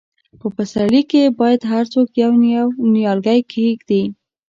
په پسرلي کې باید هر څوک یو، یو نیالګی کښېږدي.